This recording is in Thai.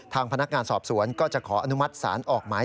ทางพนักงานสอบสวนก็จะขออนุมัติศาลออกหมาย